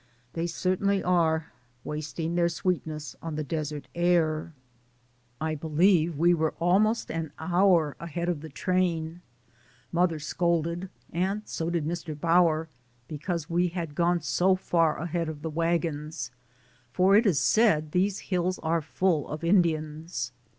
They certainly are ''wasting their sweetness on the desert air." I believe we were almost an hour ahead of the train. Mother scolded, and so did Mr. Bower, because we had gone so far ahead of the wagons, for it is said these hills are full DAYS ON THE ROAD. 137 of Indians.